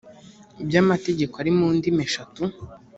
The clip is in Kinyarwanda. by amategeko ari mu ndimi eshatu